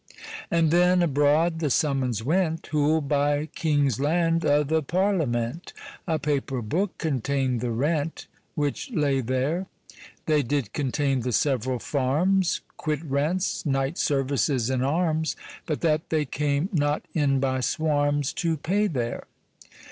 And then abroad the summons went, Who'll buy king's land o' th' Parliament? A paper book contein'd the rent, Which lay there; That did contein the severall farmes, Quit rents, knight services, and armes; But that they came not in by swarmes To pay there.